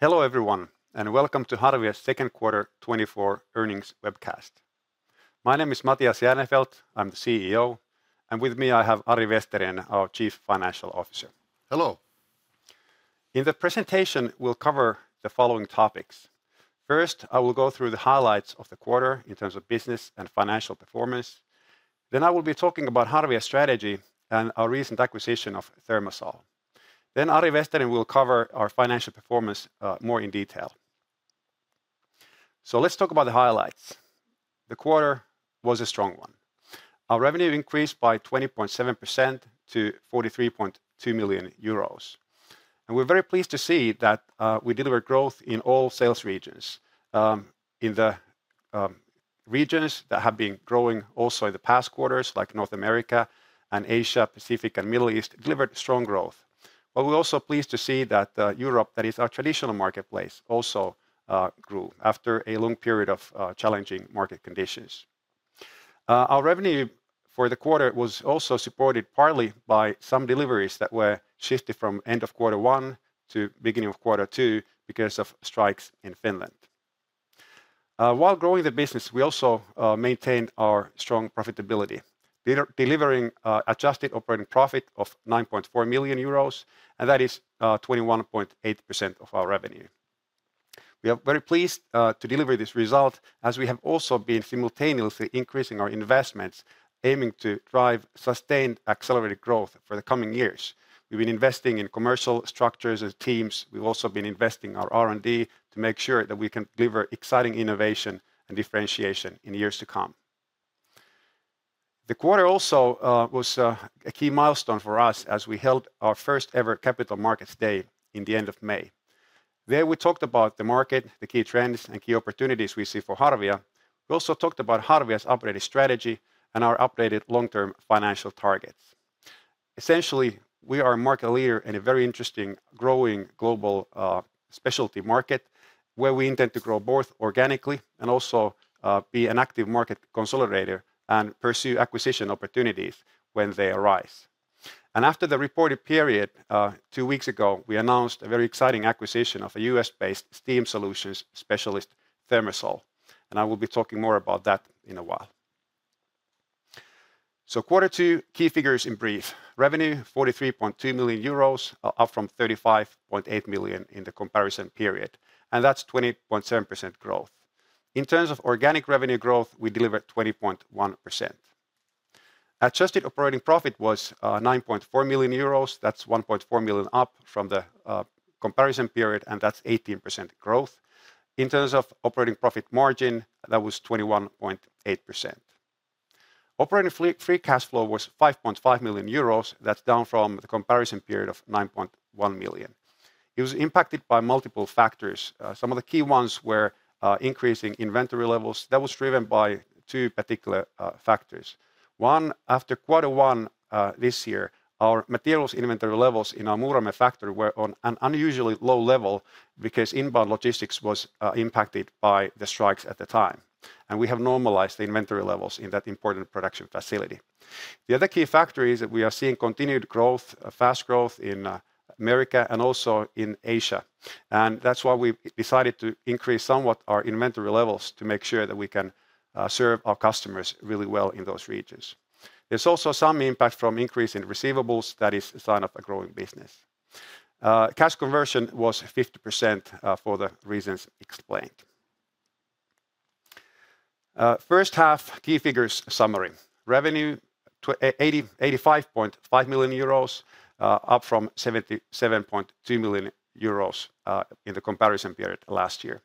Hello everyone, and welcome to Harvia's second quarter 2024 earnings webcast. My name is Matias Järnefelt, I'm the CEO, and with me I have Ari Vesterinen, our Chief Financial Officer. Hello. In the presentation, we'll cover the following topics. First, I will go through the highlights of the quarter in terms of business and financial performance. Then I will be talking about Harvia's strategy and our recent acquisition of ThermaSol. Then Ari Vesterinen will cover our financial performance more in detail. So let's talk about the highlights. The quarter was a strong one. Our revenue increased by 20.7% to 43.2 million euros. And we're very pleased to see that we delivered growth in all sales regions. In the regions that have been growing also in the past quarters, like North America and Asia, Pacific, and Middle East, delivered strong growth. But we're also pleased to see that Europe, that is our traditional marketplace, also grew after a long period of challenging market conditions. Our revenue for the quarter was also supported partly by some deliveries that were shifted from end of quarter one to beginning of quarter two because of strikes in Finland. While growing the business, we also maintained our strong profitability, delivering adjusted operating profit of 9.4 million euros, and that is 21.8% of our revenue. We are very pleased to deliver this result as we have also been simultaneously increasing our investments, aiming to drive sustained accelerated growth for the coming years. We've been investing in commercial structures and teams. We've also been investing in our R&D to make sure that we can deliver exciting innovation and differentiation in years to come. The quarter also was a key milestone for us as we held our first ever capital markets day in the end of May. There we talked about the market, the key trends, and key opportunities we see for Harvia. We also talked about Harvia's updated strategy and our updated long-term financial targets. Essentially, we are a market leader in a very interesting growing global specialty market where we intend to grow both organically and also be an active market consolidator and pursue acquisition opportunities when they arise. After the reported period two weeks ago, we announced a very exciting acquisition of a US-based steam solutions specialist, ThermaSol. I will be talking more about that in a while. Quarter two key figures in brief: revenue 43.2 million euros, up from 35.8 million in the comparison period. And that's 20.7% growth. In terms of organic revenue growth, we delivered 20.1%. Adjusted operating profit was 9.4 million euros. That's 1.4 million up from the comparison period, and that's 18% growth. In terms of operating profit margin, that was 21.8%. Operating free cash flow was 5.5 million euros. That's down from the comparison period of 9.1 million. It was impacted by multiple factors. Some of the key ones were increasing inventory levels. That was driven by two particular factors. One, after quarter one this year, our materials inventory levels in our Muurame factory were on an unusually low level because inbound logistics was impacted by the strikes at the time. And we have normalized the inventory levels in that important production facility. The other key factor is that we are seeing continued growth, fast growth in America and also in Asia. And that's why we decided to increase somewhat our inventory levels to make sure that we can serve our customers really well in those regions. There's also some impact from increase in receivables. That is a sign of a growing business. Cash conversion was 50% for the reasons explained. First half key figures summary: revenue 85.5 million euros, up from 77.2 million euros in the comparison period last year.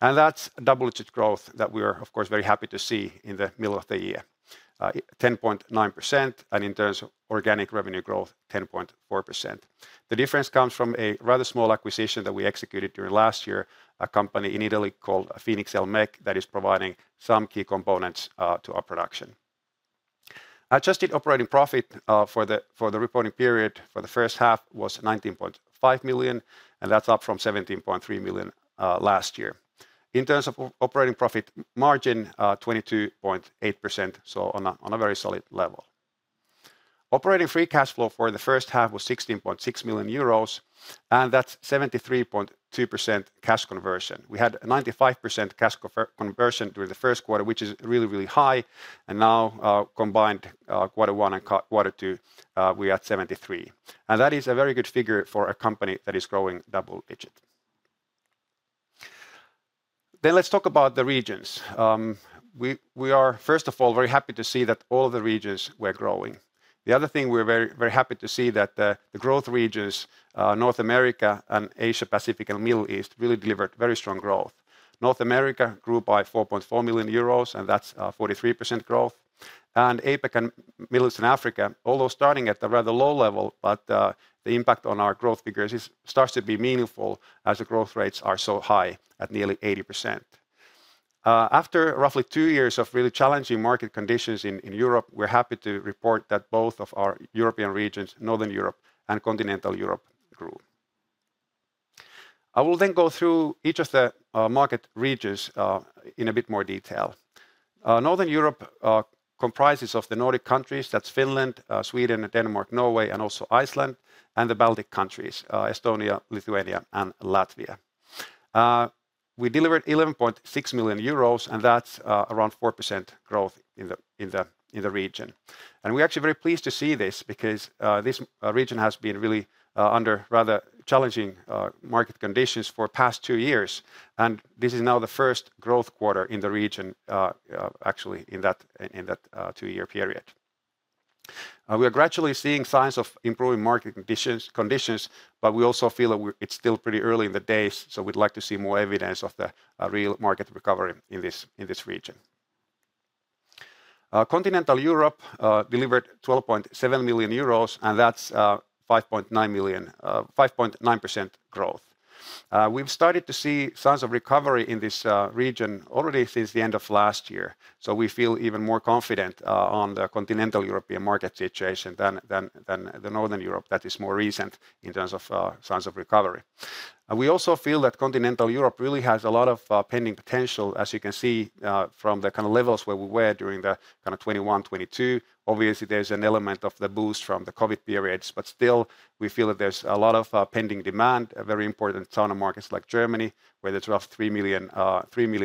And that's double-digit growth that we are, of course, very happy to see in the middle of the year, 10.9%. And in terms of organic revenue growth, 10.4%. The difference comes from a rather small acquisition that we executed during last year, a company in Italy called Phoenix El-Mec that is providing some key components to our production. Adjusted operating profit for the reporting period for the first half was 19.5 million, and that's up from 17.3 million last year. In terms of operating profit margin, 22.8%, so on a very solid level. Operating free cash flow for the first half was 16.6 million euros, and that's 73.2% cash conversion. We had 95% cash conversion during the first quarter, which is really, really high. And now combined quarter one and quarter two, we are at 73%. And that is a very good figure for a company that is growing double-digit. Then let's talk about the regions. We are, first of all, very happy to see that all of the regions were growing. The other thing we're very, very happy to see is that the growth regions, North America and Asia-Pacific and Middle East, really delivered very strong growth. North America grew by 4.4 million euros, and that's 43% growth. And APAC and Middle East and Africa, although starting at a rather low level, but the impact on our growth figures starts to be meaningful as the growth rates are so high at nearly 80%. After roughly two years of really challenging market conditions in Europe, we're happy to report that both of our European regions, Northern Europe and Continental Europe, grew. I will then go through each of the market regions in a bit more detail. Northern Europe comprises of the Nordic countries. That's Finland, Sweden, Denmark, Norway, and also Iceland, and the Baltic countries, Estonia, Lithuania, and Latvia. We delivered 11.6 million euros, and that's around 4% growth in the region. We're actually very pleased to see this because this region has been really under rather challenging market conditions for the past two years. This is now the first growth quarter in the region, actually, in that two-year period. We are gradually seeing signs of improving market conditions, but we also feel it's still pretty early in the days. So we'd like to see more evidence of the real market recovery in this region. Continental Europe delivered 12.7 million euros, and that's 5.9% growth. We've started to see signs of recovery in this region already since the end of last year. So we feel even more confident on the Continental European market situation than the Northern Europe that is more recent in terms of signs of recovery. We also feel that Continental Europe really has a lot of pending potential, as you can see from the kind of levels where we were during the kind of 2021, 2022. Obviously, there's an element of the boost from the COVID periods, but still, we feel that there's a lot of pending demand, a very important sauna market like Germany, where there's roughly 3 million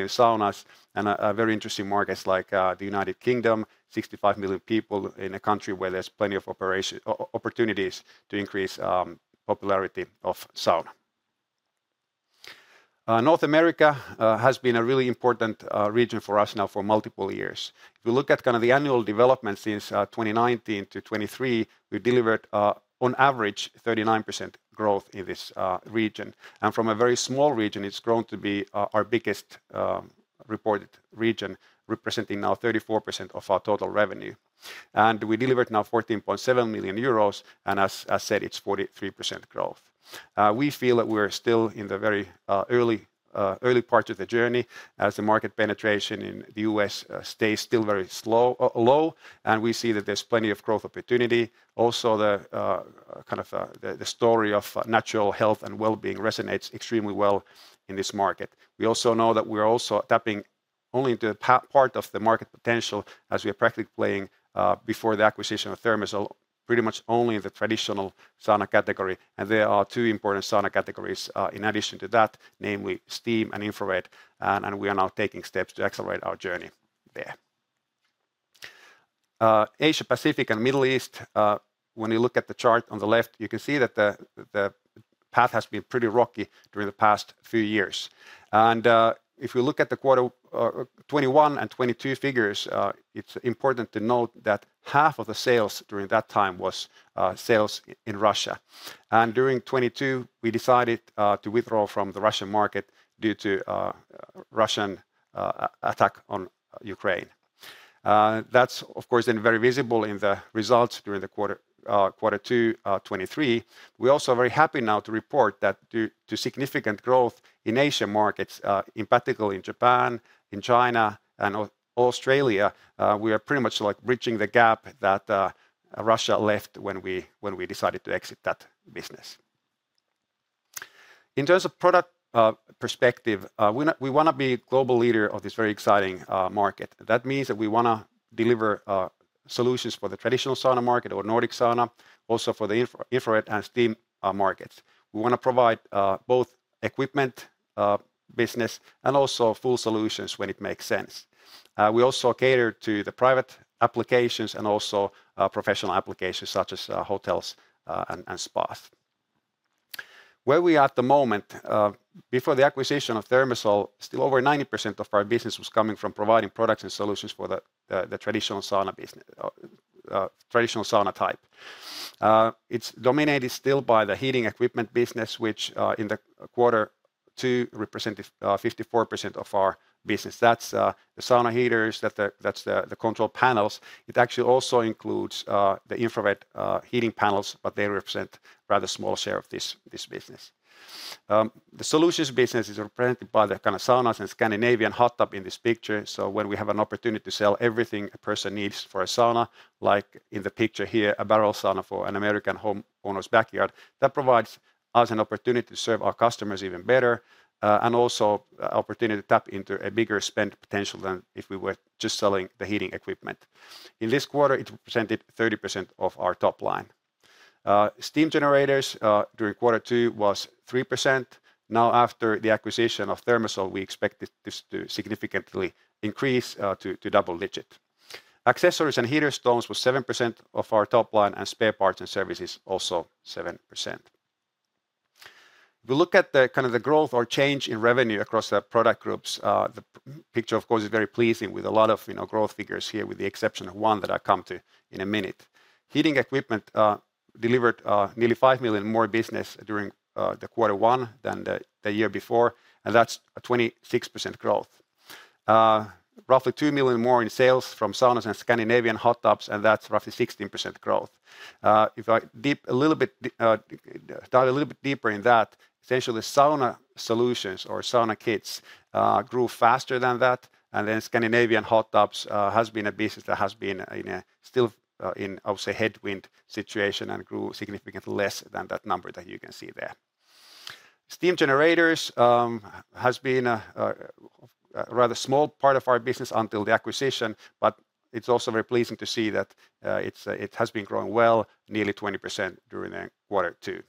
saunas, and a very interesting market like the United Kingdom, 65 million people in a country where there's plenty of operation opportunities to increase the popularity of sauna. North America has been a really important region for us now for multiple years. If we look at kind of the annual development since 2019 to 2023, we delivered on average 39% growth in this region. From a very small region, it's grown to be our biggest reported region, representing now 34% of our total revenue. We delivered now 14.7 million euros. As I said, it's 43% growth. We feel that we're still in the very early part of the journey as the market penetration in the U.S. stays still very low. We see that there's plenty of growth opportunity. Also, the kind of the story of natural health and well-being resonates extremely well in this market. We also know that we're also tapping only into a part of the market potential as we are practically playing before the acquisition of Thermasol pretty much only in the traditional sauna category. There are two important sauna categories in addition to that, namely steam and infrared. We are now taking steps to accelerate our journey there. Asia-Pacific and Middle East, when you look at the chart on the left, you can see that the path has been pretty rocky during the past few years. If we look at the Q1 2021 and 2022 figures, it's important to note that half of the sales during that time was sales in Russia. During 2022, we decided to withdraw from the Russian market due to the Russian attack on Ukraine. That's, of course, then very visible in the results during Q2 2023. We're also very happy now to report that due to significant growth in Asian markets, in particular in Japan, in China, and Australia, we are pretty much like bridging the gap that Russia left when we decided to exit that business. In terms of product perspective, we want to be a global leader of this very exciting market. That means that we want to deliver solutions for the traditional sauna market or Nordic sauna, also for the infrared and steam markets. We want to provide both equipment business and also full solutions when it makes sense. We also cater to the private applications and also professional applications such as hotels and spas. Where we are at the moment, before the acquisition of Thermasol, still over 90% of our business was coming from providing products and solutions for the traditional sauna type. It's dominated still by the heating equipment business, which in the quarter two represented 54% of our business. That's the sauna heaters, that's the control panels. It actually also includes the infrared heating panels, but they represent a rather small share of this business. The solutions business is represented by the kind of saunas and Scandinavian hot tub in this picture. So when we have an opportunity to sell everything a person needs for a sauna, like in the picture here, a barrel sauna for an American homeowner's backyard, that provides us an opportunity to serve our customers even better and also an opportunity to tap into a bigger spend potential than if we were just selling the heating equipment. In this quarter, it represented 30% of our top line. Steam generators during quarter two was 3%. Now, after the acquisition of Thermasol, we expect this to significantly increase to double-digit. Accessories and heater stones were 7% of our top line and spare parts and services also 7%. If we look at the kind of the growth or change in revenue across the product groups, the picture, of course, is very pleasing with a lot of growth figures here, with the exception of one that I come to in a minute. Heating equipment delivered nearly 5 million more business during the quarter one than the year before, and that's a 26% growth. Roughly 2 million more in sales from saunas and Scandinavian hot tubs, and that's roughly 16% growth. If I dive a little bit deeper in that, essentially sauna solutions or sauna kits grew faster than that. And then Scandinavian hot tubs has been a business that has been still in, I would say, headwind situation and grew significantly less than that number that you can see there. Steam generators has been a rather small part of our business until the acquisition, but it's also very pleasing to see that it has been growing well, nearly 20% during quarter two.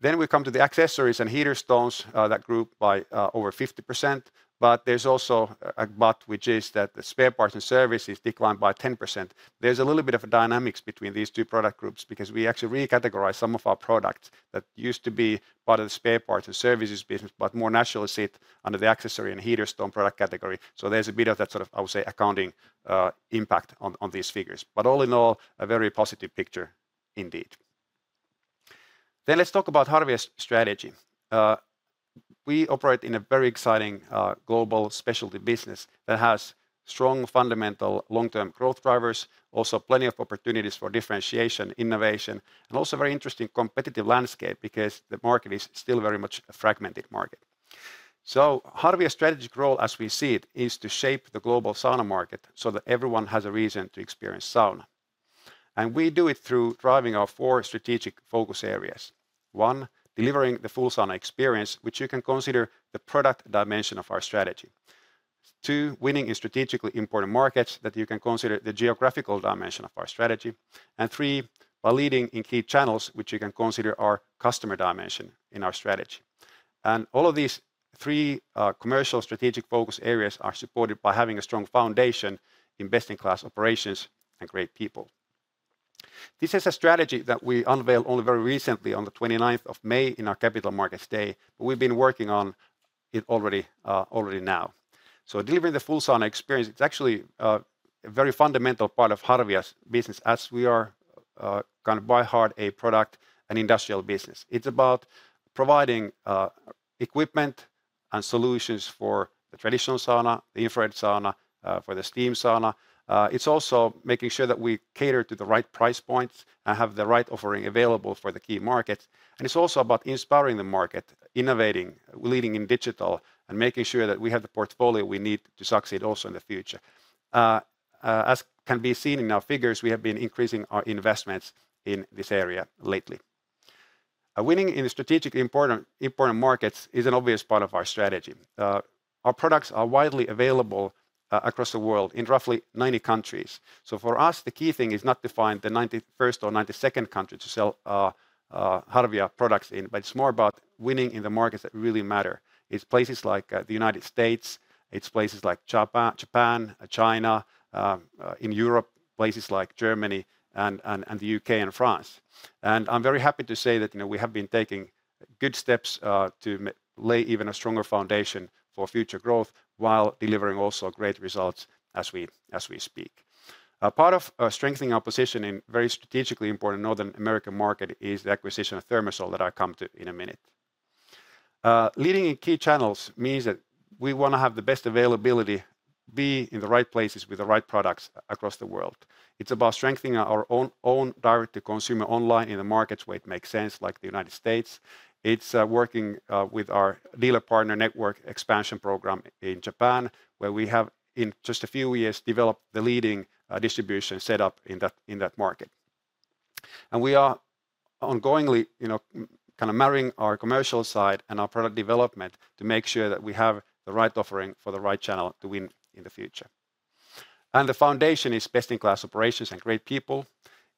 Then we come to the accessories and heater stones that grew by over 50%. But there's also a but, which is that the spare parts and services declined by 10%. There's a little bit of a dynamics between these two product groups because we actually recategorize some of our products that used to be part of the spare parts and services business, but more naturally sit under the accessory and heater stone product category. So there's a bit of that sort of, I would say, accounting impact on these figures. But all in all, a very positive picture indeed. Then let's talk about Harvia's strategy. We operate in a very exciting global specialty business that has strong fundamental long-term growth drivers, also plenty of opportunities for differentiation, innovation, and also a very interesting competitive landscape because the market is still very much a fragmented market. So Harvia's strategic role, as we see it, is to shape the global sauna market so that everyone has a reason to experience sauna. We do it through driving our four strategic focus areas. 1, delivering the full sauna experience, which you can consider the product dimension of our strategy. 2, winning in strategically important markets that you can consider the geographical dimension of our strategy. And three, by leading in key channels, which you can consider our customer dimension in our strategy. And all of these three commercial strategic focus areas are supported by having a strong foundation in best-in-class operations and great people. This is a strategy that we unveiled only very recently on the 29th of May in our capital markets day, but we've been working on it already now. So delivering the full sauna experience, it's actually a very fundamental part of Harvia's business as we are kind of by heart a product, an industrial business. It's about providing equipment and solutions for the traditional sauna, the infrared sauna, for the steam sauna. It's also making sure that we cater to the right price points and have the right offering available for the key markets. It's also about inspiring the market, innovating, leading in digital, and making sure that we have the portfolio we need to succeed also in the future. As can be seen in our figures, we have been increasing our investments in this area lately. Winning in strategically important markets is an obvious part of our strategy. Our products are widely available across the world in roughly 90 countries. So for us, the key thing is not to find the 91st or 92nd country to sell Harvia products in, but it's more about winning in the markets that really matter. It's places like the United States, it's places like Japan, China, in Europe, places like Germany and the U.K. and France. I'm very happy to say that we have been taking good steps to lay even a stronger foundation for future growth while delivering also great results as we speak. Part of strengthening our position in the very strategically important North American market is the acquisition of Thermasol that I come to in a minute. Leading in key channels means that we want to have the best availability, be in the right places with the right products across the world. It's about strengthening our own direct-to-consumer online in the markets where it makes sense, like the United States. It's working with our dealer partner network expansion program in Japan, where we have in just a few years developed the leading distribution setup in that market. And we are ongoingly kind of marrying our commercial side and our product development to make sure that we have the right offering for the right channel to win in the future. And the foundation is best-in-class operations and great people.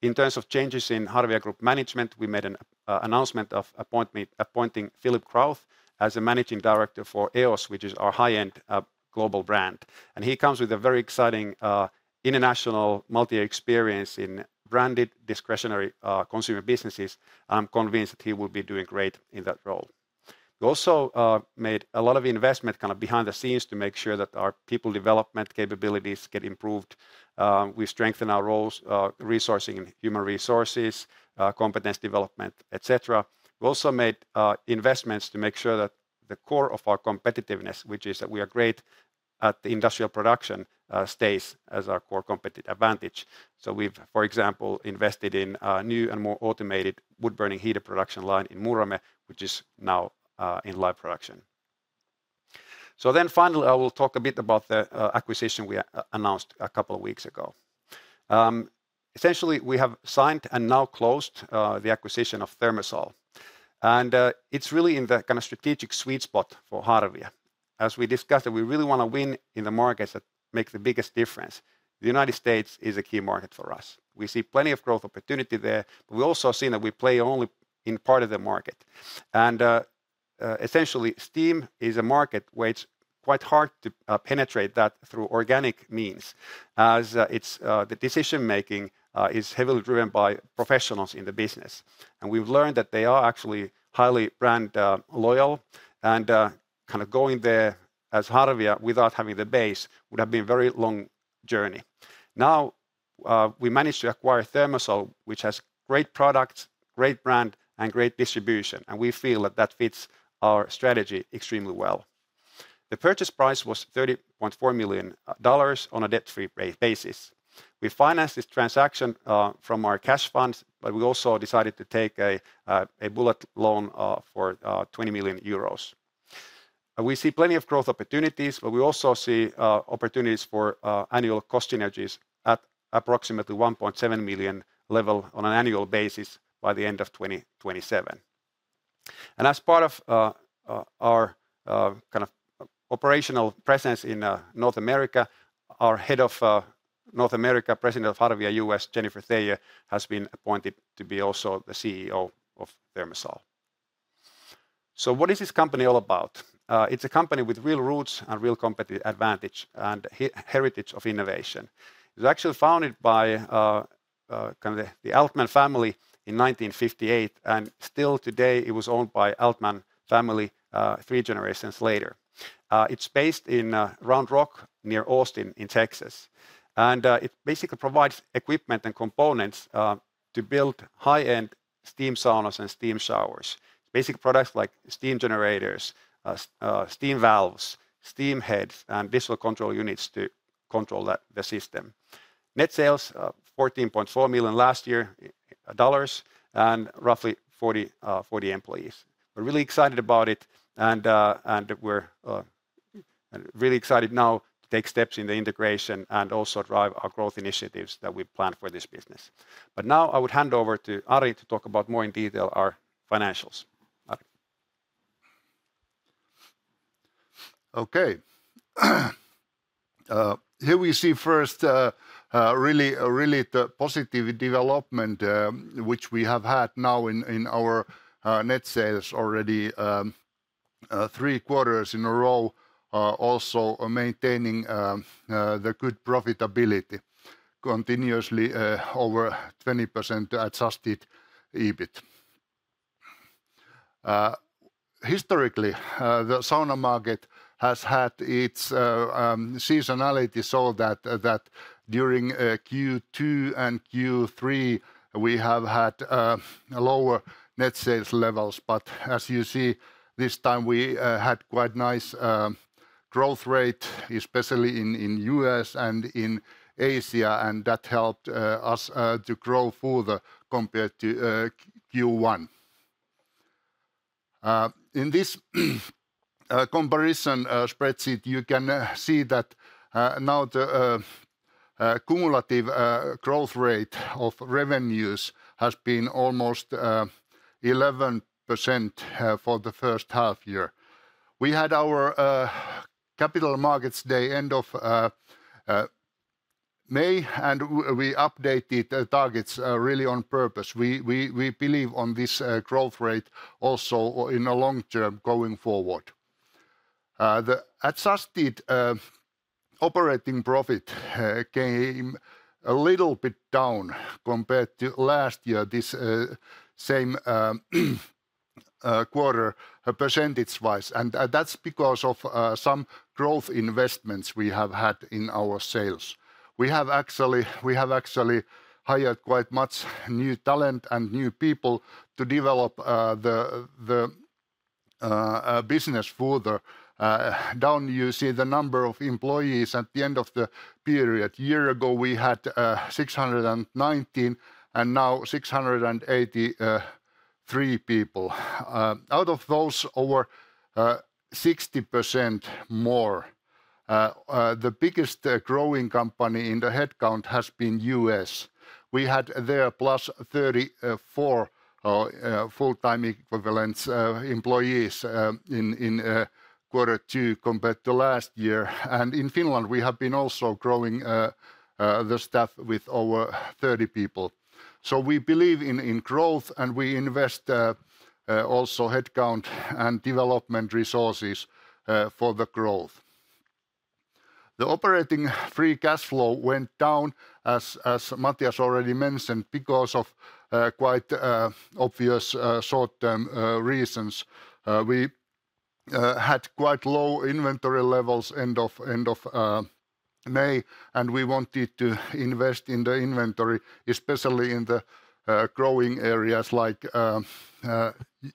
In terms of changes in Harvia Group management, we made an announcement of appointing Philipp Krauth as the Managing Director for EOS, which is our high-end global brand. And he comes with a very exciting international multi-year experience in branded discretionary consumer businesses. I'm convinced that he will be doing great in that role. We also made a lot of investment kind of behind the scenes to make sure that our people development capabilities get improved. We strengthen our roles, resourcing and human resources, competence development, etc. We also made investments to make sure that the core of our competitiveness, which is that we are great at the industrial production, stays as our core competitive advantage. So we've, for example, invested in a new and more automated wood-burning heater production line in Muurame, which is now in live production. So then finally, I will talk a bit about the acquisition we announced a couple of weeks ago. Essentially, we have signed and now closed the acquisition of Thermasol. And it's really in the kind of strategic sweet spot for Harvia. As we discussed, we really want to win in the markets that make the biggest difference. The United States is a key market for us. We see plenty of growth opportunity there, but we also see that we play only in part of the market. Essentially, steam is a market where it's quite hard to penetrate that through organic means as the decision-making is heavily driven by professionals in the business. We've learned that they are actually highly brand loyal. Kind of going there as Harvia without having the base would have been a very long journey. Now we managed to acquire Thermasol, which has great products, great brand, and great distribution. We feel that that fits our strategy extremely well. The purchase price was $30.4 million on a debt-free basis. We financed this transaction from our cash funds, but we also decided to take a bullet loan for 20 million euros. We see plenty of growth opportunities, but we also see opportunities for annual cost synergies at approximately 1.7 million level on an annual basis by the end of 2027. As part of our kind of operational presence in North America, our head of North America, President of Harvia US, Jennifer Thayer, has been appointed to be also the CEO of Thermasol. So what is this company all about? It's a company with real roots and real competitive advantage and heritage of innovation. It was actually founded by kind of the Altman family in 1958, and still today it was owned by the Altman family three generations later. It's based in Round Rock, near Austin, Texas. It basically provides equipment and components to build high-end steam saunas and steam showers. Its basic products like steam generators, steam valves, steam heads, and digital control units to control the system. Net sales, $14.4 million last year, and roughly 40 employees. We're really excited about it and we're really excited now to take steps in the integration and also drive our growth initiatives that we plan for this business. But now I would hand over to Ari to talk about more in detail our financials. Okay. Here we see first really the positive development, which we have had now in our net sales already three quarters in a row, also maintaining the good profitability continuously over 20% adjusted EBIT. Historically, the sauna market has had its seasonality so that during Q2 and Q3, we have had lower net sales levels. But as you see, this time we had quite nice growth rate, especially in the U.S. and in Asia, and that helped us to grow further compared to Q1. In this comparison spreadsheet, you can see that now the cumulative growth rate of revenues has been almost 11% for the first half year. We had our capital markets day end of May, and we updated targets really on purpose. We believe on this growth rate also in the long term going forward. The adjusted operating profit came a little bit down compared to last year, this same quarter percentage-wise. And that's because of some growth investments we have had in our sales. We have actually hired quite much new talent and new people to develop the business further. Down you see the number of employees at the end of the period. A year ago, we had 619 and now 683 people. Out of those, over 60% more. The biggest growing company in the headcount has been US. We had there +34 full-time equivalents employees in quarter two compared to last year. And in Finland, we have been also growing the staff with over 30 people. So we believe in growth, and we invest also headcount and development resources for the growth. The operating free cash flow went down, as Matias already mentioned, because of quite obvious short-term reasons. We had quite low inventory levels end of May, and we wanted to invest in the inventory, especially in the growing areas like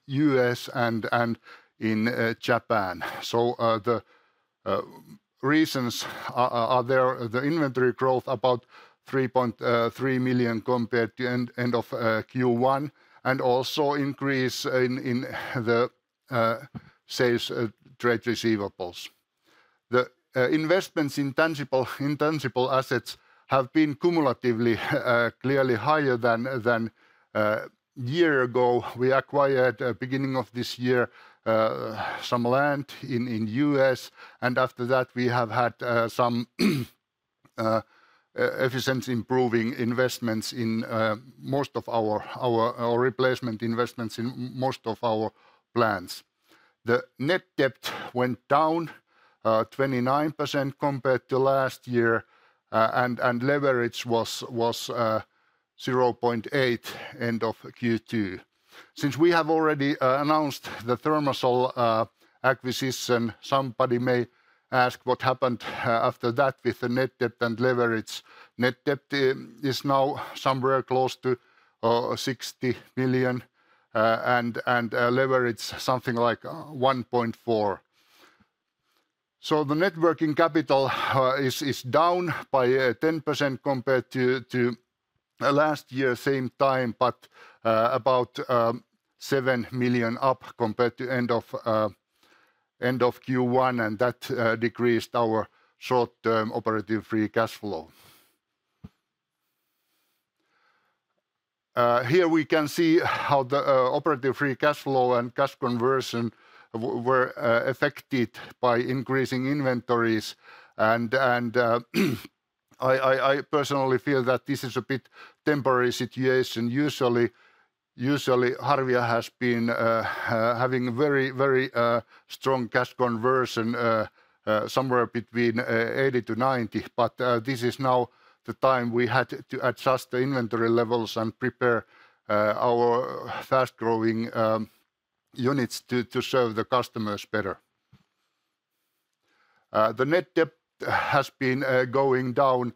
U.S. and in Japan. So the reasons are there. The inventory growth is about 3.3 million compared to end of Q1, and also increase in the sales trade receivables. The investments in tangible assets have been cumulatively clearly higher than a year ago. We acquired at the beginning of this year some land in the U.S., and after that, we have had some efficiency improving investments in most of our replacement investments in most of our plants. The net debt went down 29% compared to last year, and leverage was 0.8 end of Q2. Since we have already announced the Thermasol acquisition, somebody may ask what happened after that with the net debt and leverage. Net debt is now somewhere close to 60 million and leverage something like 1.4. So the working capital is down by 10% compared to last year's same time, but about 7 million up compared to end of Q1, and that decreased our short-term operating free cash flow. Here we can see how the operating free cash flow and cash conversion were affected by increasing inventories. I personally feel that this is a bit temporary situation. Usually, Harvia has been having very, very strong cash conversion somewhere between 80%-90%, but this is now the time we had to adjust the inventory levels and prepare our fast-growing units to serve the customers better. The net debt has been going down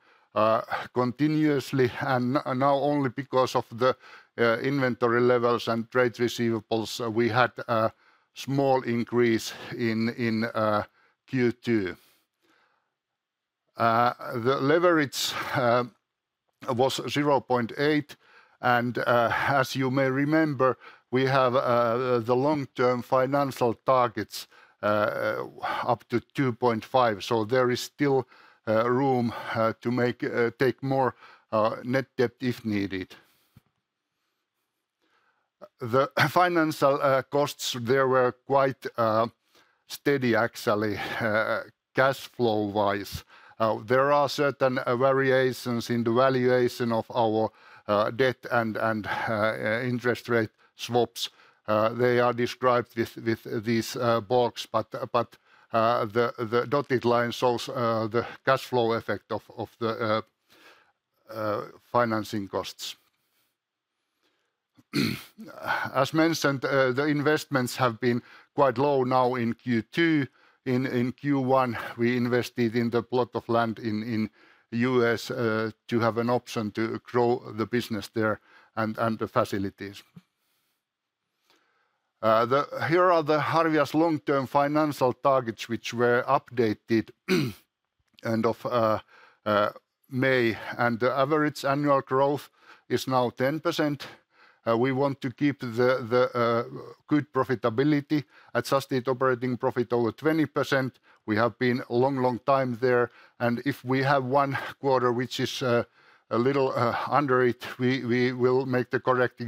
continuously, and now only because of the inventory levels and trade receivables, we had a small increase in Q2. The leverage was 0.8, and as you may remember, we have the long-term financial targets up to 2.5. There is still room to take more net debt if needed. The financial costs, they were quite steady actually cash flow-wise. There are certain variations in the valuation of our debt and interest rate swaps. They are described with these boxes, but the dotted line shows the cash flow effect of the financing costs. As mentioned, the investments have been quite low now in Q2. In Q1, we invested in the plot of land in the U.S. to have an option to grow the business there and the facilities. Here are Harvia's long-term financial targets, which were updated end of May. The average annual growth is now 10%. We want to keep the good profitability, adjusted operating profit over 20%. We have been a long, long time there. If we have one quarter, which is a little under it, we will make the correct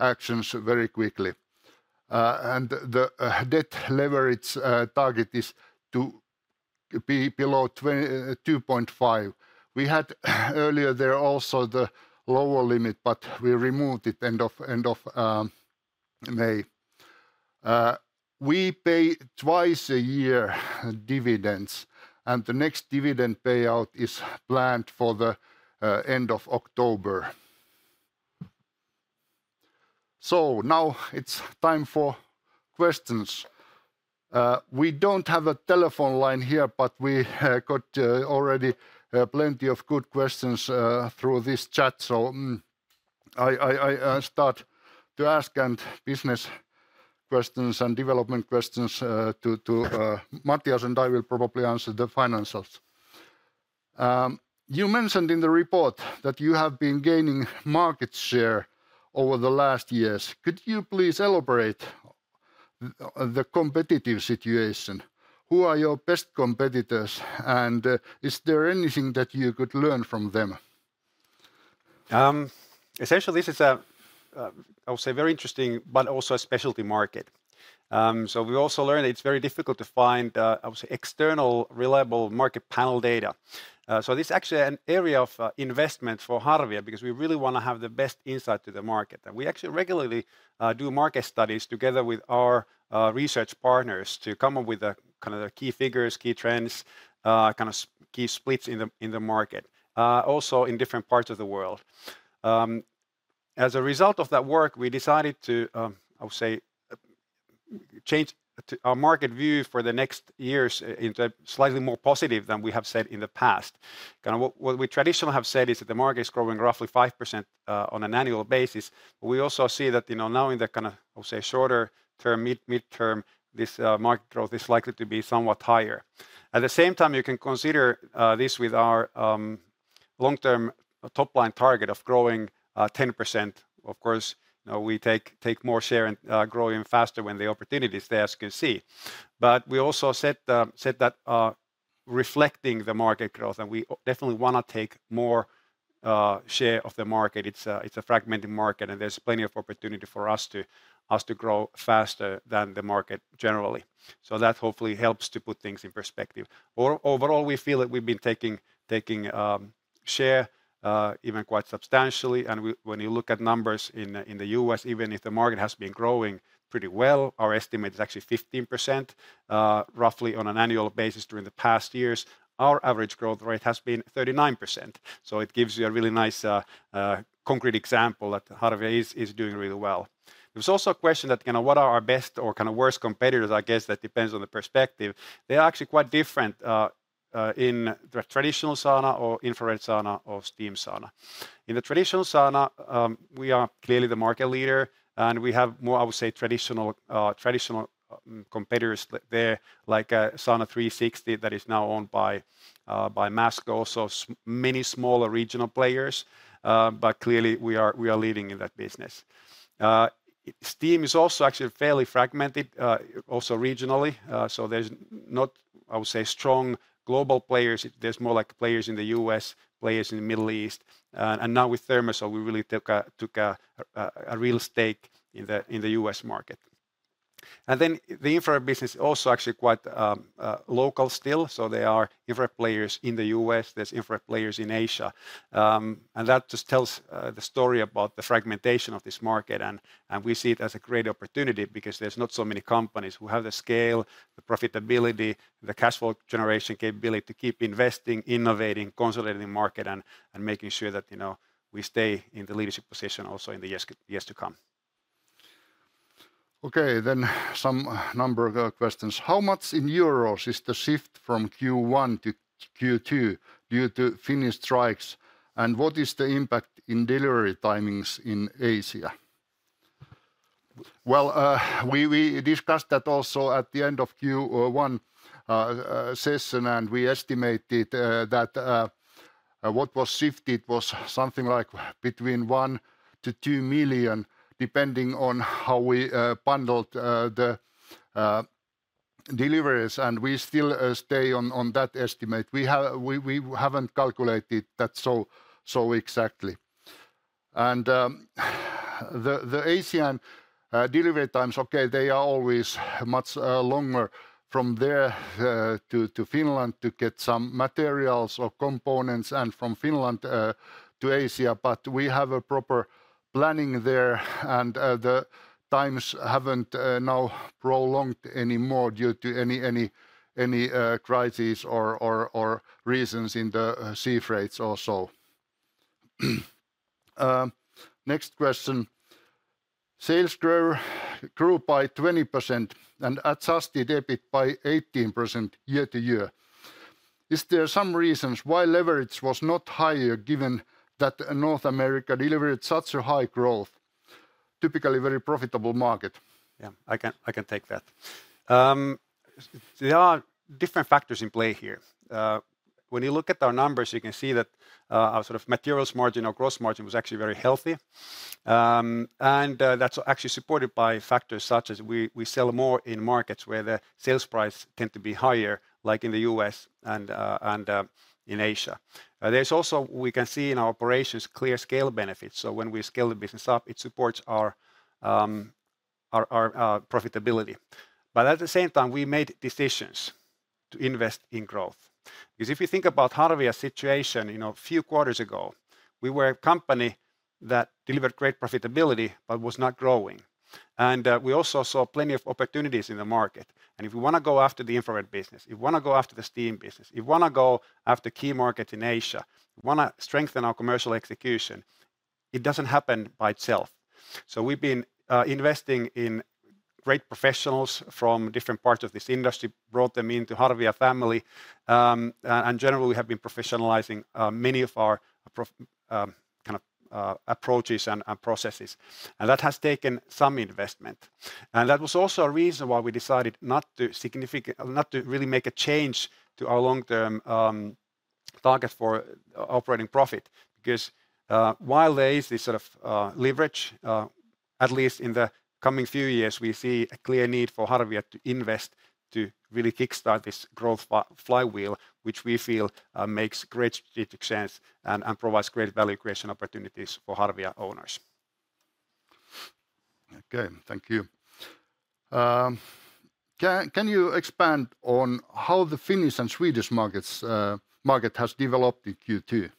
actions very quickly. The debt leverage target is to be below 2.5. We had earlier there also the lower limit, but we removed it end of May. We pay twice a year dividends, and the next dividend payout is planned for the end of October. Now it's time for questions. We don't have a telephone line here, but we got already plenty of good questions through this chat. So I start to ask business questions and development questions to Matias, and I will probably answer the financials. You mentioned in the report that you have been gaining market share over the last years. Could you please elaborate on the competitive situation? Who are your best competitors, and is there anything that you could learn from them? Essentially, this is a very interesting, but also a specialty market. So we also learned it's very difficult to find external reliable market panel data. So this is actually an area of investment for Harvia because we really want to have the best insight to the market. We actually regularly do market studies together with our research partners to come up with the key figures, key trends, kind of key splits in the market, also in different parts of the world. As a result of that work, we decided to change our market view for the next years into slightly more positive than we have said in the past. What we traditionally have said is that the market is growing roughly 5% on an annual basis, but we also see that now in the kind of shorter term, midterm, this market growth is likely to be somewhat higher. At the same time, you can consider this with our long-term top line target of growing 10%. Of course, we take more share and grow even faster when the opportunities there, as you can see. But we also said that reflecting the market growth, and we definitely want to take more share of the market. It's a fragmented market, and there's plenty of opportunity for us to grow faster than the market generally. So that hopefully helps to put things in perspective. Overall, we feel that we've been taking share even quite substantially. And when you look at numbers in the U.S., even if the market has been growing pretty well, our estimate is actually 15% roughly on an annual basis during the past years. Our average growth rate has been 39%. So it gives you a really nice concrete example that Harvia is doing really well. There's also a question that what are our best or kind of worst competitors, I guess that depends on the perspective. They are actually quite different in the traditional sauna or infrared sauna or steam sauna. In the traditional sauna, we are clearly the market leader, and we have more, I would say, traditional competitors there, like Sauna360 that is now owned by Masco, also many smaller regional players. But clearly, we are leading in that business. Steam is also actually fairly fragmented, also regionally. So there's not, I would say, strong global players. There's more like players in the U.S., players in the Middle East. And now with Thermasol, we really took a real stake in the U.S. market. And then the infrared business is also actually quite local still. So there are infrared players in the U.S., there's infrared players in Asia. And that just tells the story about the fragmentation of this market. We see it as a great opportunity because there's not so many companies who have the scale, the profitability, the cash flow generation capability to keep investing, innovating, consolidating the market, and making sure that we stay in the leadership position also in the years to come. Okay, then some number of questions. How much in euros is the shift from Q1 to Q2 due to Finnish strikes? And what is the impact in delivery timings in Asia? Well, we discussed that also at the end of Q1 session, and we estimated that what was shifted was something like between 1 million and 2 million, depending on how we bundled the deliveries. And we still stay on that estimate. We haven't calculated that so exactly. The Asian delivery times, okay, they are always much longer from there to Finland to get some materials or components and from Finland to Asia. We have a proper planning there, and the times haven't now prolonged anymore due to any crisis or reasons in the sea freights or so. Next question. Sales grew by 20% and adjusted EBIT by 18% year-over-year. Is there some reason why leverage was not higher given that North America delivered such a high growth? Typically very profitable market. Yeah, I can take that. There are different factors in play here. When you look at our numbers, you can see that our sort of materials margin or gross margin was actually very healthy. And that's actually supported by factors such as we sell more in markets where the sales price tends to be higher, like in the U.S. and in Asia. There's also, we can see in our operations clear scale benefits. So when we scale the business up, it supports our profitability. But at the same time, we made decisions to invest in growth. Because if you think about Harvia's situation a few quarters ago, we were a company that delivered great profitability, but was not growing. And we also saw plenty of opportunities in the market. And if we want to go after the infrared business, if we want to go after the steam business, if we want to go after key markets in Asia, if we want to strengthen our commercial execution, it doesn't happen by itself. So we've been investing in great professionals from different parts of this industry, brought them into Harvia family. And generally, we have been professionalizing many of our kind of approaches and processes. And that has taken some investment. And that was also a reason why we decided not to really make a change to our long-term target for operating profit. Because while there is this sort of leverage, at least in the coming few years, we see a clear need for Harvia to invest to really kickstart this growth flywheel, which we feel makes great change and provides great value creation opportunities for Harvia owners. Okay, thank you. Can you expand on how the Finnish and Swedish markets have developed in Q2?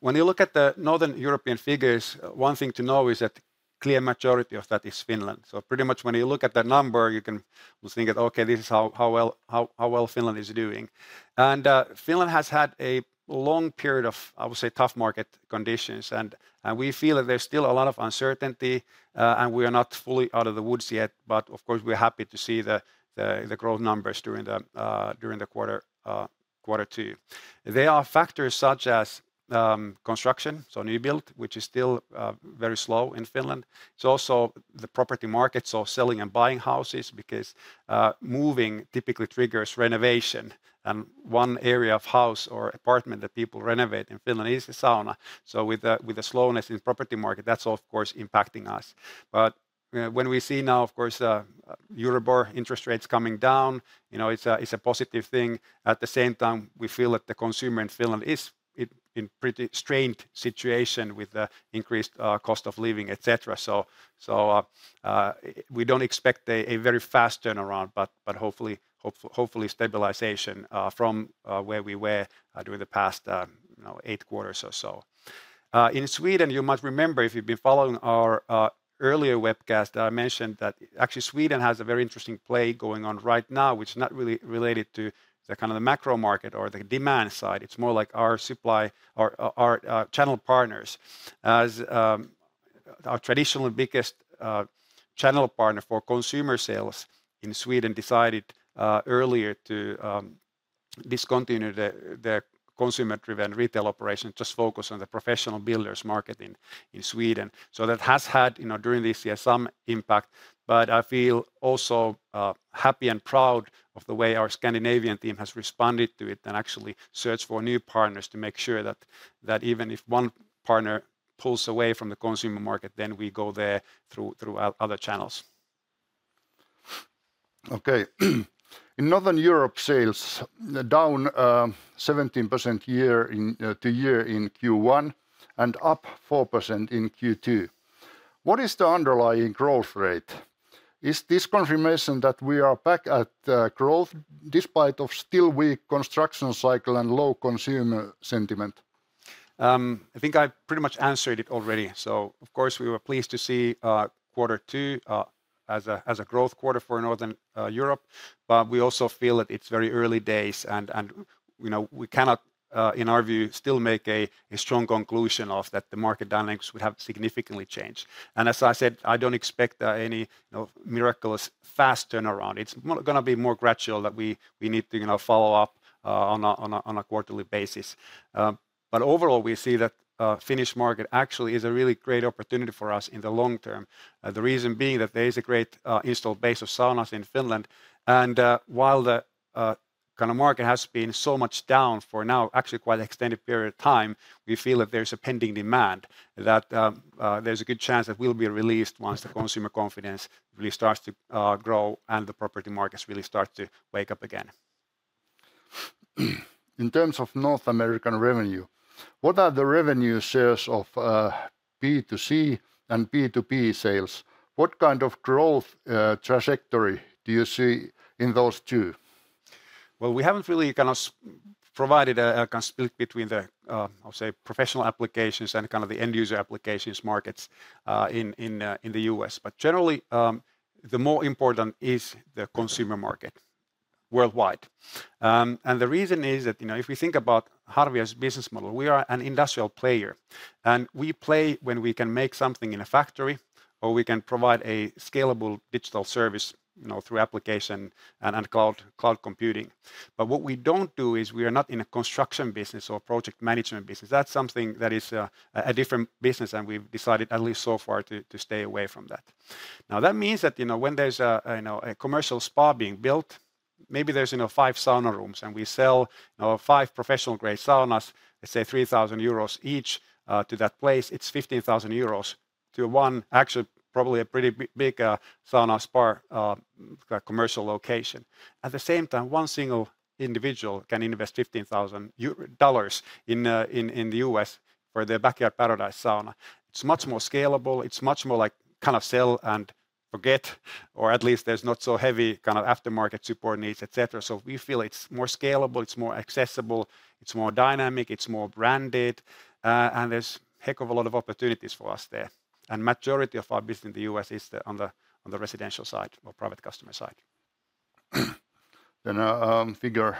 When you look at the Northern European figures, one thing to know is that a clear majority of that is Finland. So pretty much when you look at that number, you can think that, okay, this is how well Finland is doing. And Finland has had a long period of, I would say, tough market conditions. We feel that there's still a lot of uncertainty, and we are not fully out of the woods yet. But of course, we're happy to see the growth numbers during the quarter two. There are factors such as construction, so new build, which is still very slow in Finland. It's also the property market, so selling and buying houses, because moving typically triggers renovation. One area of house or apartment that people renovate in Finland is the sauna. With the slowness in the property market, that's of course impacting us. But when we see now, of course, Euribor interest rates coming down, it's a positive thing. At the same time, we feel that the consumer in Finland is in a pretty strained situation with the increased cost of living, etc. So we don't expect a very fast turnaround, but hopefully stabilization from where we were during the past eight quarters or so. In Sweden, you might remember if you've been following our earlier webcast, I mentioned that actually Sweden has a very interesting play going on right now, which is not really related to the kind of macro market or the demand side. It's more like our channel partners. Our traditional biggest channel partner for consumer sales in Sweden decided earlier to discontinue the consumer-driven retail operation, just focus on the professional builders marketing in Sweden. So that has had during this year some impact. But I feel also happy and proud of the way our Scandinavian team has responded to it and actually searched for new partners to make sure that even if one partner pulls away from the consumer market, then we go there through other channels. Okay. In Northern Europe, sales down 17% year-over-year in Q1 and up 4% in Q2. What is the underlying growth rate? Is this confirmation that we are back at growth despite of still weak construction cycle and low consumer sentiment? I think I pretty much answered it already. So of course, we were pleased to see quarter two as a growth quarter for Northern Europe. But we also feel that it's very early days. And we cannot, in our view, still make a strong conclusion of that the market dynamics would have significantly changed. And as I said, I don't expect any miraculous fast turnaround. It's going to be more gradual that we need to follow up on a quarterly basis. But overall, we see that the Finnish market actually is a really great opportunity for us in the long term. The reason being that there is a great installed base of saunas in Finland. And while the kind of market has been so much down for now, actually quite an extended period of time, we feel that there's a pending demand that there's a good chance that will be released once the consumer confidence really starts to grow and the property markets really start to wake up again. In terms of North American revenue, what are the revenue shares of B2C and B2B sales? What kind of growth trajectory do you see in those two? Well, we haven't really kind of provided a split between the, I would say, professional applications and kind of the end user applications markets in the U.S. But generally, the more important is the consumer market worldwide. And the reason is that if we think about Harvia's business model, we are an industrial player. We play when we can make something in a factory or we can provide a scalable digital service through application and cloud computing. But what we don't do is we are not in a construction business or a project management business. That's something that is a different business, and we've decided, at least so far, to stay away from that. Now, that means that when there's a commercial spa being built, maybe there's 5 sauna rooms, and we sell 5 professional-grade saunas, let's say 3,000 euros each to that place. It's 15,000 euros to one, actually probably a pretty big sauna spa commercial location. At the same time, one single individual can invest $15,000 in the U.S. for the Backyard Paradise sauna. It's much more scalable. It's much more like kind of sell and forget, or at least there's not so heavy kind of aftermarket support needs, etc. So we feel it's more scalable, it's more accessible, it's more dynamic, it's more branded, and there's a heck of a lot of opportunities for us there. And the majority of our business in the U.S. is on the residential side or private customer side. Then a figure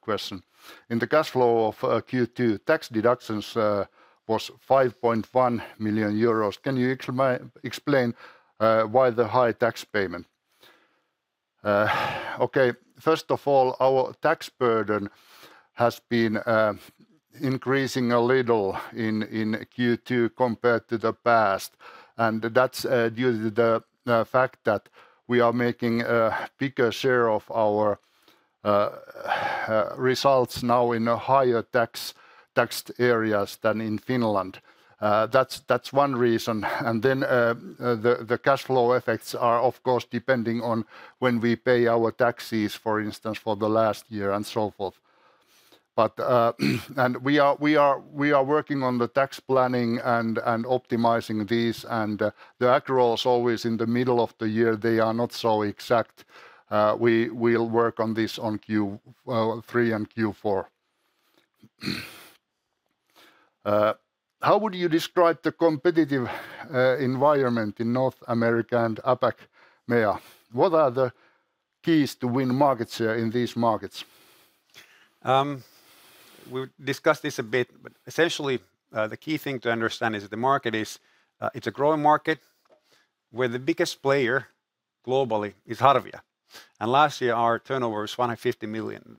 question. In the cash flow of Q2, tax deductions was 5.1 million euros. Can you explain why the high tax payment? Okay, first of all, our tax burden has been increasing a little in Q2 compared to the past. And that's due to the fact that we are making a bigger share of our results now in higher taxed areas than in Finland. That's one reason. And then the cash flow effects are, of course, depending on when we pay our taxes, for instance, for the last year and so forth. And we are working on the tax planning and optimizing these. The accruals always in the middle of the year, they are not so exact. We will work on this on Q3 and Q4. How would you describe the competitive environment in North America and APAC, Mea? What are the keys to win market share in these markets? We discussed this a bit, but essentially the key thing to understand is that the market is a growing market where the biggest player globally is Harvia. Last year, our turnover was 150 million.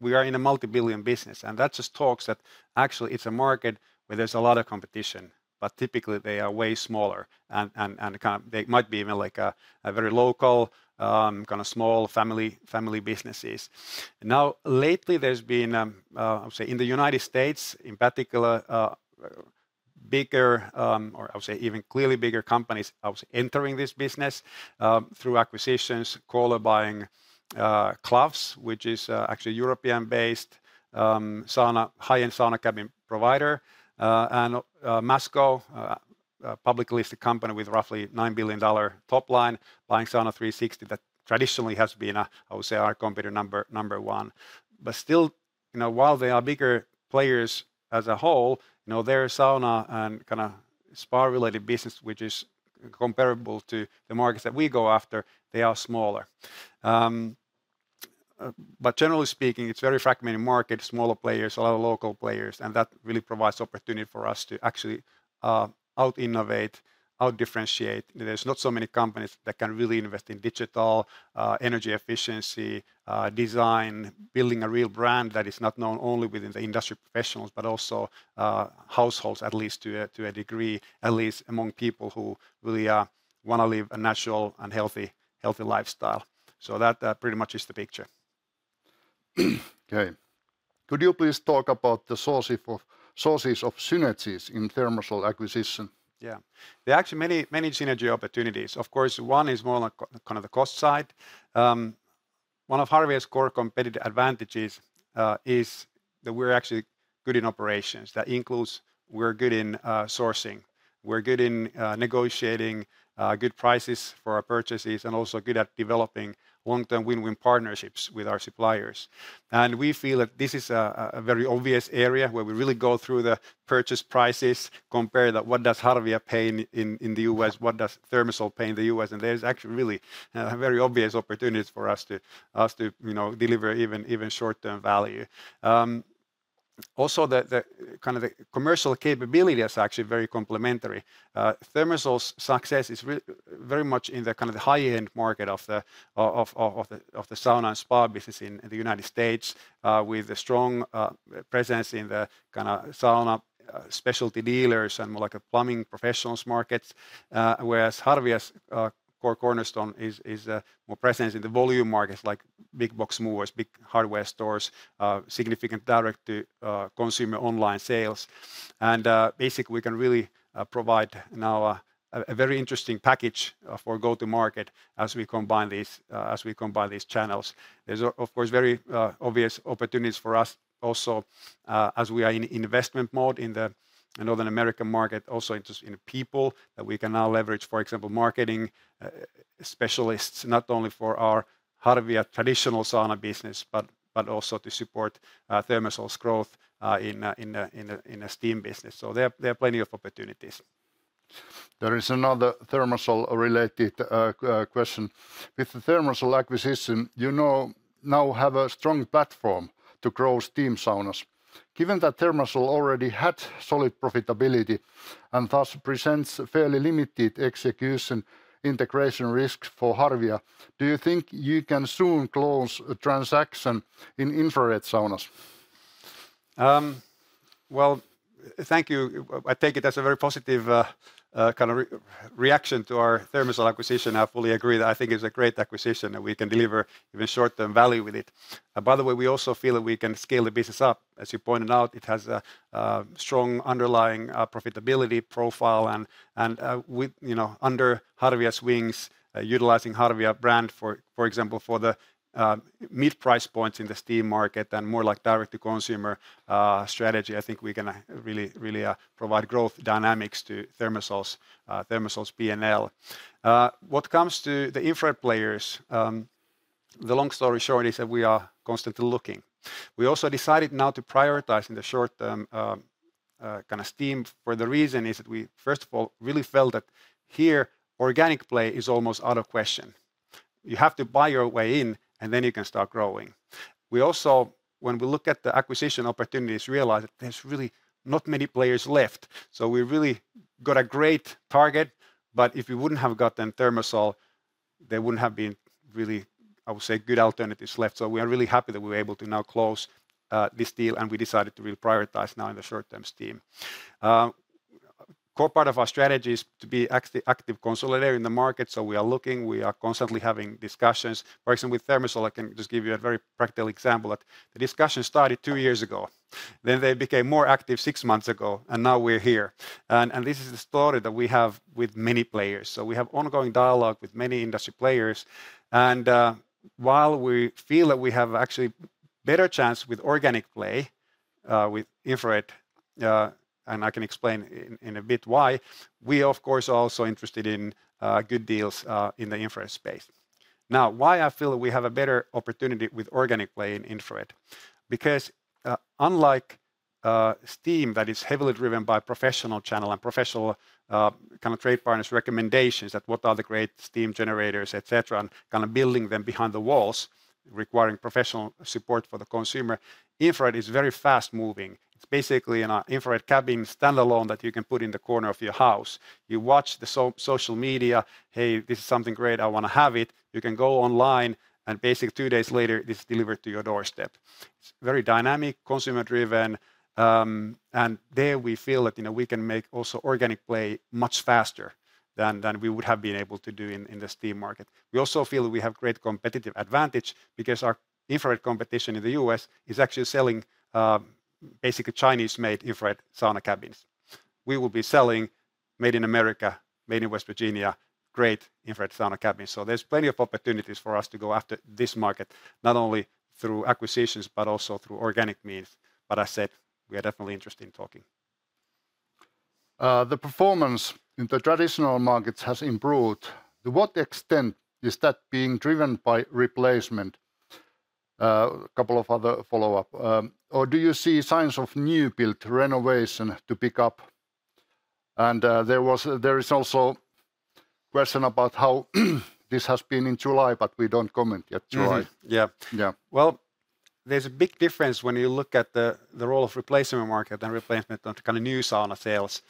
We are in a multi-billion business. That just talks that actually it's a market where there's a lot of competition, but typically they are way smaller. They might be even like a very local, kind of small family businesses. Now, lately there's been, I would say, in the United States in particular, bigger, or I would say even clearly bigger companies entering this business through acquisitions, Kohler buying Klafs, which is actually a European-based high-end sauna cabin provider. And Masco, a publicly listed company with roughly $9 billion top line, buying Sauna360 that traditionally has been, I would say, our competitor number one. But still, while they are bigger players as a whole, their sauna and kind of spa-related business, which is comparable to the markets that we go after, they are smaller. But generally speaking, it's a very fragmented market, smaller players, a lot of local players. And that really provides opportunity for us to actually out-innovate, out-differentiate. There's not so many companies that can really invest in digital, energy efficiency, design, building a real brand that is not known only within the industry professionals, but also households, at least to a degree, at least among people who really want to live a natural and healthy lifestyle. So that pretty much is the picture. Okay. Could you please talk about the sources of synergies in Thermasol acquisition? Yeah. There are actually many synergy opportunities. Of course, one is more on the cost side. One of Harvia's core competitive advantages is that we're actually good in operations. That includes we're good in sourcing. We're good in negotiating good prices for our purchases and also good at developing long-term win-win partnerships with our suppliers. And we feel that this is a very obvious area where we really go through the purchase prices, compare that what does Harvia pay in the U.S., what does Thermasol pay in the U.S. And there's actually really a very obvious opportunity for us to deliver even short-term value. Also, the kind of commercial capability is actually very complementary. Thermasol's success is very much in the kind of high-end market of the sauna and spa business in the United States, with a strong presence in the kind of sauna specialty dealers and more like a plumbing professionals market. Whereas Harvia's core cornerstone is more present in the volume markets, like big box movers, big hardware stores, significant direct-to-consumer online sales. And basically, we can really provide now a very interesting package for go-to-market as we combine these channels. There's, of course, very obvious opportunities for us also, as we are in investment mode in the North American market, also interested in people that we can now leverage, for example, marketing specialists, not only for our Harvia traditional sauna business, but also to support Thermasol's growth in the steam business. So there are plenty of opportunities. There is another Thermasol-related question. With the Thermasol acquisition, you now have a strong platform to grow steam saunas. Given that Thermasol already had solid profitability and thus presents fairly limited execution integration risks for Harvia, do you think you can soon close a transaction in infrared saunas? Well, thank you. I take it as a very positive kind of reaction to our Thermasol acquisition. I fully agree that I think it's a great acquisition and we can deliver even short-term value with it. By the way, we also feel that we can scale the business up. As you pointed out, it has a strong underlying profitability profile. Under Harvia's wings, utilizing Harvia brand, for example, for the mid-price points in the steam market and more like direct-to-consumer strategy, I think we can really provide growth dynamics to Thermasol's P&L. What comes to the infrared players, the long story short is that we are constantly looking. We also decided now to prioritize in the short-term kind of steam for the reason is that we, first of all, really felt that here organic play is almost out of question. You have to buy your way in and then you can start growing. We also, when we look at the acquisition opportunities, realized that there's really not many players left. So we really got a great target, but if we wouldn't have gotten Thermasol, there wouldn't have been really, I would say, good alternatives left. So we are really happy that we were able to now close this deal and we decided to really prioritize now in the short-term steam. Core part of our strategy is to be active consolidator in the market. So we are looking, we are constantly having discussions. For example, with Thermasol, I can just give you a very practical example that the discussion started two years ago. Then they became more active six months ago and now we're here. And this is the story that we have with many players. So we have ongoing dialogue with many industry players. And while we feel that we have actually better chance with organic play, with infrared, and I can explain in a bit why, we are of course also interested in good deals in the infrared space. Now, why I feel that we have a better opportunity with organic play in infrared? Because unlike steam that is heavily driven by professional channel and professional kind of trade partners' recommendations that what are the great steam generators, etc., and kind of building them behind the walls, requiring professional support for the consumer, infrared is very fast moving. It's basically an infrared cabin standalone that you can put in the corner of your house. You watch the social media, hey, this is something great, I want to have it. You can go online and basically two days later, this is delivered to your doorstep. It's very dynamic, consumer-driven. There we feel that we can make also organic play much faster than we would have been able to do in the steam market. We also feel that we have great competitive advantage because our infrared competition in the U.S. is actually selling basically Chinese-made infrared sauna cabins. We will be selling made in America, made in West Virginia, great infrared sauna cabins. So there's plenty of opportunities for us to go after this market, not only through acquisitions, but also through organic means. But as I said, we are definitely interested in talking. The performance in the traditional markets has improved. To what extent is that being driven by replacement? A couple of other follow-ups. Or do you see signs of new build renovation to pick up? And there is also a question about how this has been in July, but we don't comment yet July. Yeah. Well, there's a big difference when you look at the role of replacement market and replacement of kind of new sauna sales,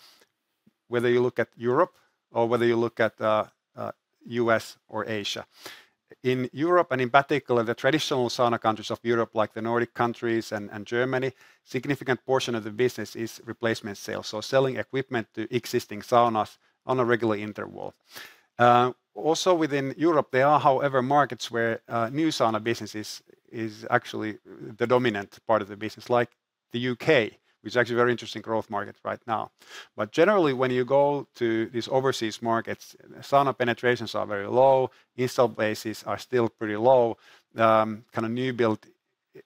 whether you look at Europe or whether you look at the U.S. or Asia. In Europe and in particular the traditional sauna countries of Europe, like the Nordic countries and Germany, a significant portion of the business is replacement sales, so selling equipment to existing saunas on a regular interval. Also within Europe, there are, however, markets where new sauna business is actually the dominant part of the business, like the UK, which is actually a very interesting growth market right now. But generally, when you go to these overseas markets, sauna penetrations are very low. Installed bases are still pretty low. Kind of new build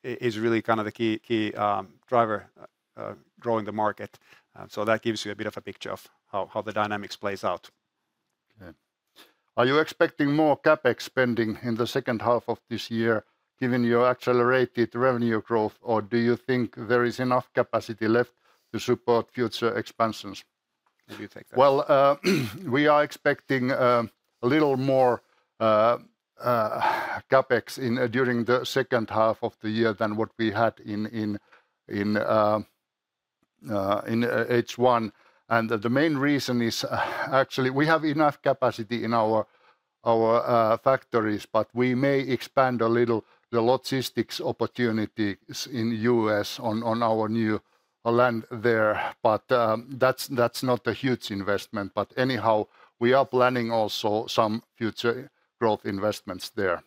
is really kind of the key driver growing the market. So that gives you a bit of a picture of how the dynamics play out. Are you expecting more CapEx spending in the second half of this year given your accelerated revenue growth, or do you think there is enough capacity left to support future expansions? How do you take that? Well, we are expecting a little more CapEx during the second half of the year than what we had in H1. And the main reason is actually we have enough capacity in our factories, but we may expand a little the logistics opportunities in the U.S. on our new land there. But that's not a huge investment. But anyhow, we are planning also some future growth investments there.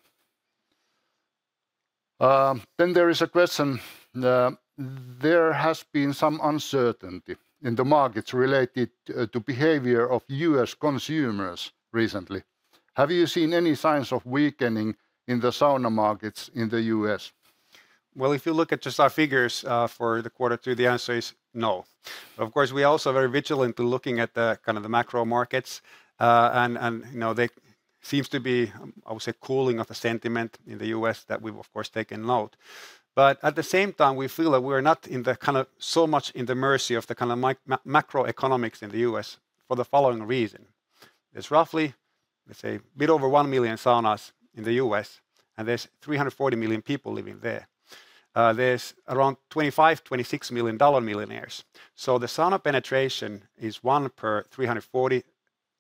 Then there is a question. There has been some uncertainty in the markets related to behavior of U.S. consumers recently. Have you seen any signs of weakening in the sauna markets in the U.S.? Well, if you look at just our figures for the quarter two, the answer is no. Of course, we are also very vigilant to looking at the kind of the macro markets. And there seems to be, I would say, cooling of the sentiment in the U.S. that we've of course taken note. But at the same time, we feel that we are not in the kind of so much in the mercy of the kind of macroeconomics in the U.S. for the following reason. There's roughly, let's say, a bit over 1 million saunas in the U.S., and there's 340 million people living there. There's around 25-26 million dollar millionaires. So the sauna penetration is one per 340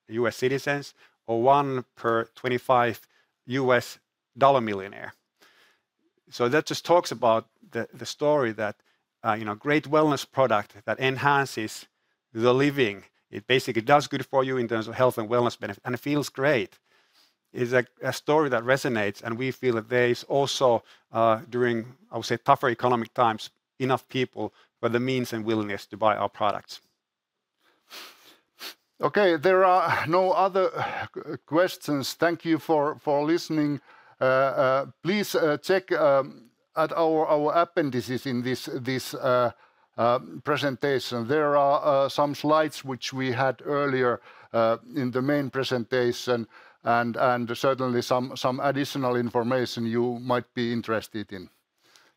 U.S. citizens or one per 25 U.S. dollar millionaire. So that just talks about the story that a great wellness product that enhances the living. It basically does good for you in terms of health and wellness benefit and it feels great. It's a story that resonates, and we feel that there is also, during I would say tougher economic times, enough people with the means and willingness to buy our products. Okay, there are no other questions. Thank you for listening. Please check at our appendices in this presentation. There are some slides which we had earlier in the main presentation and certainly some additional information you might be interested in.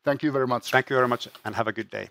Thank you very much. Thank you very much and have a good day.